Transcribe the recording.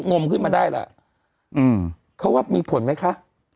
งมขึ้นมาได้แหละเขาว่ามีผลไหมคะ